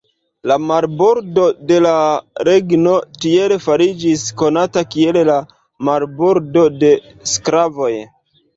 La marbordo de la regno tiel fariĝis konata kiel la "Marbordo de sklavoj".